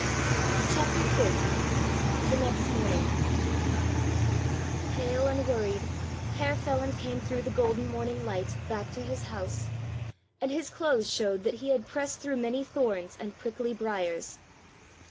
*CHAPTER FIFTH* *THE NEXT MORNING* Pale and worried, Herr Feland came through the golden morning light back to his house, and his clothes showed that he had pressed through many thorns and prickly briers.